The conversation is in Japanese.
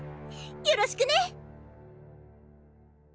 よろしくね！